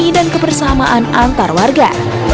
dan kebersamaan antar warga